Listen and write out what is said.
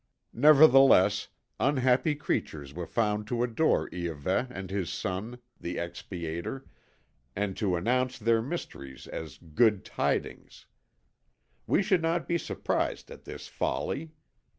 Nevertheless, unhappy creatures were found to adore Iahveh and his son, the expiator, and to announce their mysteries as good tidings. We should not be surprised at this folly.